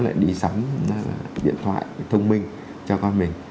lại đi sắm điện thoại thông minh cho con mình